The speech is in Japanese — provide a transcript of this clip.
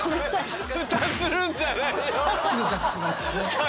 すぐ隠しましたね。